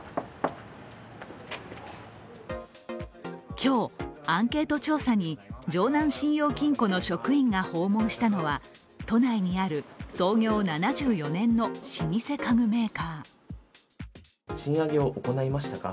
今日、アンケート調査に城南信用金庫の職員が訪問したのは都内にある創業７４年の老舗家具メーカー。